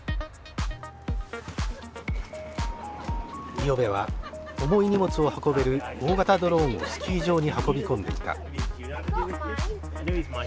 五百部は重い荷物を運べる大型ドローンをスキー場に運び込んでいた。